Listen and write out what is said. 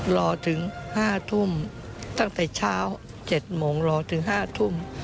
รอถึง๕ทุ่มตั้งแต่เช้า๗โมงรอถึง๕ทุ่ม